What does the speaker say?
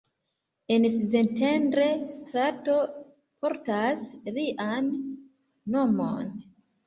En Szentendre strato portas lian nomon.